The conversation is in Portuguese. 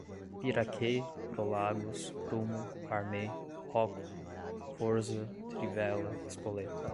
Piraquê, Prolagos, Prumo, Parmê, Rocco, Forza, Trivella, Spoleto